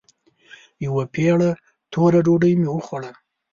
يوه پېړه توره ډوډۍ مې وخوړه.